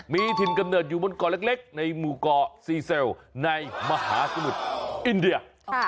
มีถิ่นกำเนิดอยู่บนเกาะเล็กในหมู่เกาะซีเซลในมหาสมุทรอินเดีย